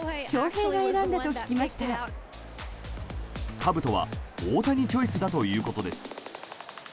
かぶとは大谷チョイスだということです。